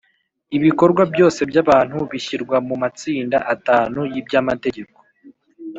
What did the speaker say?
ibikorwa byose by’abantu bishyirwa mu matsinda atanu y’iby’amategeko